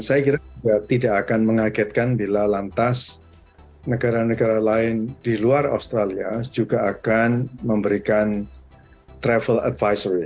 saya kira tidak akan mengagetkan bila lantas negara negara lain di luar australia juga akan memberikan travel advisor ya